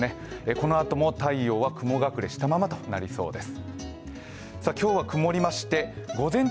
このあとも太陽は雲隠れしたままとなりそうです。